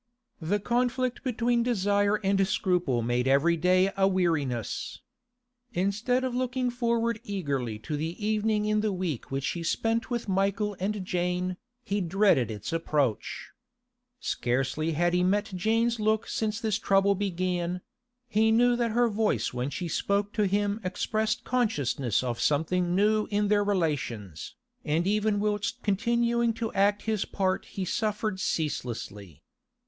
The conflict between desire and scruple made every day a weariness. Instead of looking forward eagerly to the evening in the week which he spent with Michael and Jane, he dreaded its approach. Scarcely had he met Jane's look since this trouble began; he knew that her voice when she spoke to him expressed consciousness of something new in their relations, and even whilst continuing to act his part he suffered ceaselessly.